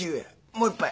もう１杯。